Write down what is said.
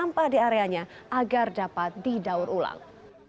sampah di areanya agar dapat didaur ulang